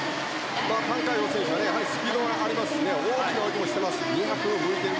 タン・カイヨウ選手はスピードがありますし大きな泳ぎをしています。